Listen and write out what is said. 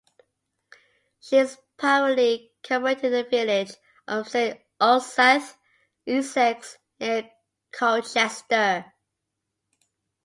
She is primarily commemorated in the village of Saint Osyth, Essex, near Colchester.